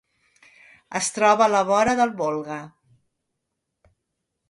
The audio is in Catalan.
Es troba a la vora del Volga.